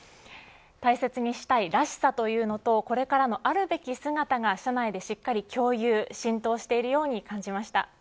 大切にしたいらしさというのとこれからのあるべき姿が社内でしっかり共有浸透しているように感じました。